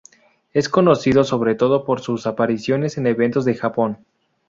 Es conocido sobre todo por sus apariciones en eventos de Japón.